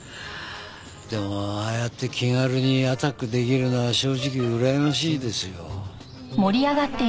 でもああやって気軽にアタック出来るのは正直うらやましいですよ。